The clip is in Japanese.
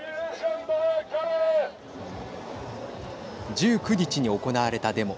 １９日に行われたデモ。